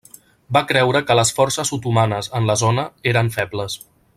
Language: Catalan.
Va creure que les forces otomanes en la zona eren febles.